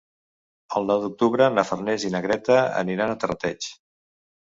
El nou d'octubre na Farners i na Greta aniran a Terrateig.